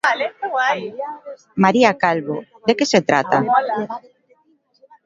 María Calvo, de que se trata?